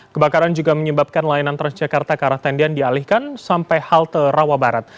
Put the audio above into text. kebakaran juga menyebabkan layanan transjakarta ke arah tendian dialihkan sampai halte rawa barat